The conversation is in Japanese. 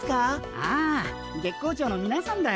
ああ月光町のみなさんだよ。